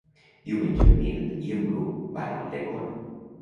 Diumenge en Mirt i en Bru van a Ulldecona.